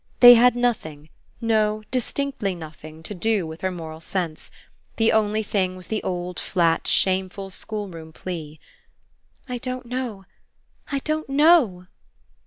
They had nothing no, distinctly nothing to do with her moral sense. The only thing was the old flat shameful schoolroom plea. "I don't know I don't know."